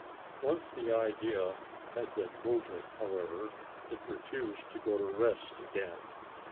Once the idea had been mooted, however, it refused to go to rest again.